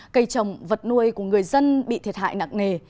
cây trồng vật nuôi của người dân bị thiệt hại nặng nề